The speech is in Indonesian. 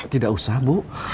tidak usah bu